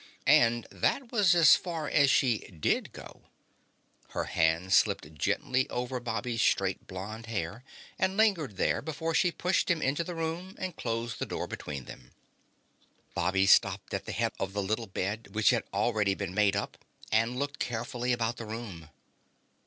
And that was as far as she did go. Her hand slipped gently over Bobby's straight blond hair and lingered there before she pushed him into the room and closed the door between them. Bobby stopped at the head of the little bed which had already been made up, and looked carefully about the room.